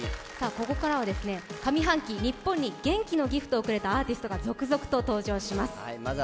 ここからは上半期日本に元気のＧＩＦＴをくれたアーティストが続々と登場します。